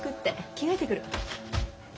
着替えてくる。